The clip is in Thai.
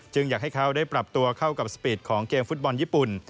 อยากให้เขาได้ปรับตัวเข้ากับสปีดของเกมฟุตบอลญี่ปุ่น